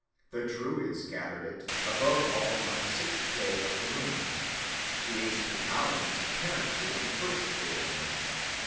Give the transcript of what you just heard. The Druids gathered it above all on the sixth day of the moon, the ancient Italians apparently on the first day of the moon.